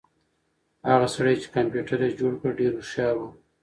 هغه سړی چې کمپیوټر یې جوړ کړ ډېر هوښیار و.